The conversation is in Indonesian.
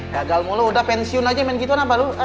gagal mulu udah pensiun aja main gituan apa lo